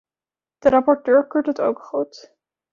De rapporteur keurt het ook goed.